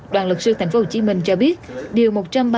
đoàn luật sư tp hcm cho biết điều một trăm ba mươi